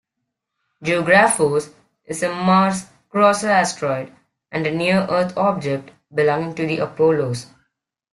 Geographos is a Mars-crosser asteroid and a near-Earth object belonging to the Apollos.